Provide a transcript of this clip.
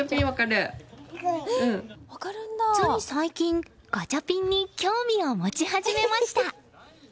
つい最近、ガチャピンに興味を持ち始めました。